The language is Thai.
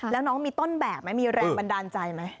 แล้วน้องมีต้นแบบไหมมีแรงบันดาลใจไหม